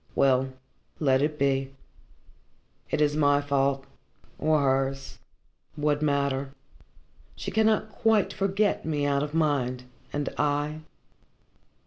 Well, let it be. It is my fault or hers. What matter? She cannot quite forget me out of mind and I?